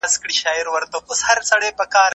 او ورپسې د ژمي سوړ موسم